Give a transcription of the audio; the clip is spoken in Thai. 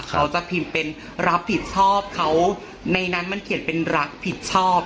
เขาจะพิมพ์เป็นรับผิดชอบเขาในนั้นมันเขียนเป็นรักผิดชอบ